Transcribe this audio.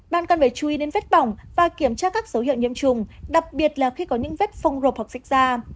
bạn cần phải chú ý đến vết bỏng và kiểm tra các dấu hiệu nhiễm trùng đặc biệt là khi có những vết phông rộp hoặc xích da